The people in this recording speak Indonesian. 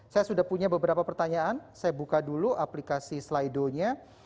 saya sudah punya beberapa pertanyaan saya buka dulu aplikasi slido nya